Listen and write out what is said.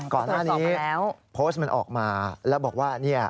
ก่อนหน้านี้โพสต์มันออกมาแล้วบอกว่า